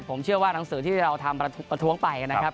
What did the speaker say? ผมเชื่อว่าหนังสือที่เราทำประท้วงไปนะครับ